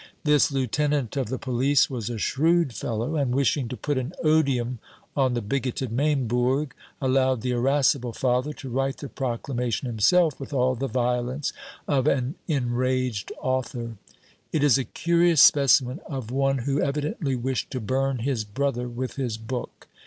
This lieutenant of the police was a shrewd fellow, and wishing to put an odium on the bigoted Maimbourg, allowed the irascible Father to write the proclamation himself with all the violence of an enraged author. It is a curious specimen of one who evidently wished to burn his brother with his book.